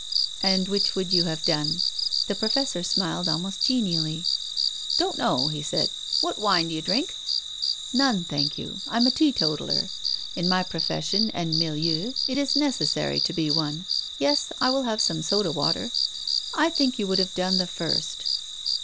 " And which would you have done ?" The IVofessor smiled almost genially. " Don't know," he said. " What wine d'you drink ?"" None, thank you. I'm a teetotaller. In my profession and milieu it is necessary to be one. Yes, I will have some soda water. T think you would have done the first."